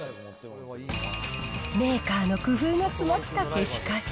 メーカーの工夫が詰まった消しカス。